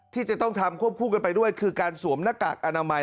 ที่จะต้องทำควบคู่กันไปด้วยคือการสวมหน้ากากอนามัย